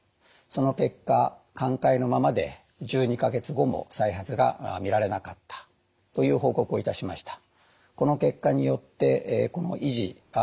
その結果寛解のままで１２か月後も再発が見られなかったという報告をいたしました。